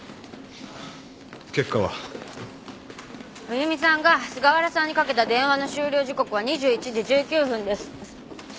冬美さんが菅原さんにかけた電話の終了時刻は２１時１９分です。